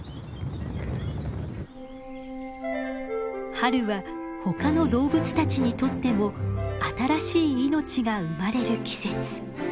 春は他の動物たちにとっても新しい命が生まれる季節。